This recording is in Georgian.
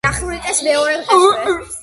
დახვრიტეს მეორე დღესვე.